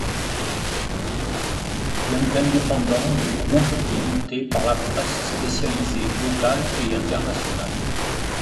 Bien qu'indépendant, le groupe est noté par la presse spécialisée locale et internationale.